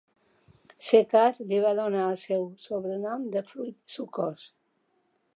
C-Kat li va donar el seu sobrenom de "Fruit sucós".